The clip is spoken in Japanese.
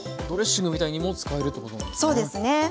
ドレッシングみたいにも使えるってことなんですね。